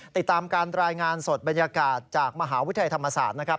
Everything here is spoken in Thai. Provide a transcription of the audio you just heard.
ติดตามการรายงานสดบรรยากาศจากมหาวิทยาลัยธรรมศาสตร์นะครับ